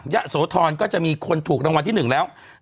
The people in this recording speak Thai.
ยะโสธรก็จะมีคนถูกรางวัลที่๑แล้ว